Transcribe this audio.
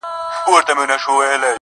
د خیراتونو یې په غوښو غریبان ماړه وه!.